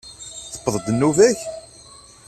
Tewweḍ-d nnuba-k?